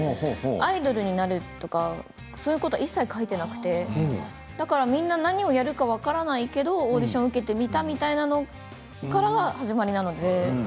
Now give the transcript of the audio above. アイドルになるとかそういうことは一切書いてなくてだからみんな何をやるか分からないけどオーディションを受けてみたみたいなのかが始まりなので。